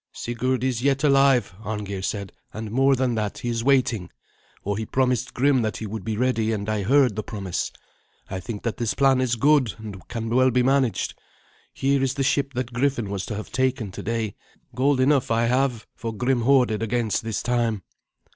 "Sigurd is yet alive," Arngeir said; "and more than that, he is waiting. For he promised Grim that he would be ready, and I heard the promise. I think that this plan is good, and can well be managed. Here is the ship that Griffin was to have taken today, and he is not here. Gold enough I have, for Grim hoarded against this time."